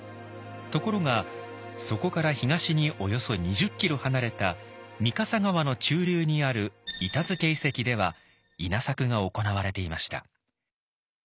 ところがそこから東におよそ２０キロ離れた御笠川の中流にある板付遺跡では稲作が行われていました。